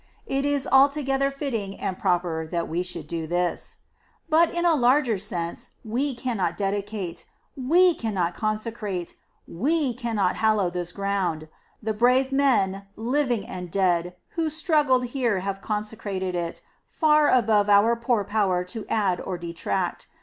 It is altogether fitting and proper that we should do this. But, in a larger sense, we cannot dedicate. . .we cannot consecrate. .. we cannot hallow this ground. The brave men, living and dead, who struggled here have consecrated it, far above our poor power to add or detract.